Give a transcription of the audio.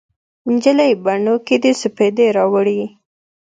نجلۍ بڼو کې دې سپیدې راوړي